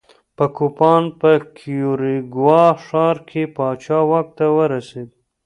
په کوپان په کیوریګوا ښار کې پاچا واک ته ورسېد.